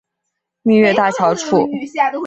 蜜月大桥处。